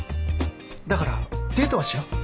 だからデートはしよ。